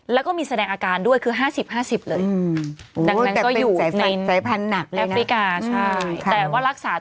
แล้วก็มีแสดงอาการด้วยคือ๕๐๕๐เลย